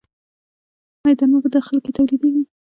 آیا درمل په داخل کې تولیدیږي؟